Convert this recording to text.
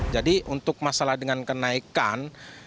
jadi untuk masalah dengan kenaikan